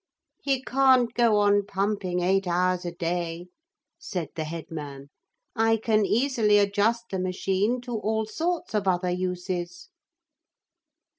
'He can't go on pumping eight hours a day,' said the head man; 'I can easily adjust the machine to all sorts of other uses.'